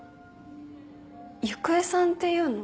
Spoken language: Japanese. ゆくえさんっていうの？